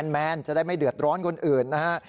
แมนจะได้ไม่เดือดร้อนคนอื่นนะฮะ